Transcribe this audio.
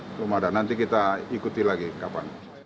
belum ada nanti kita ikuti lagi kapan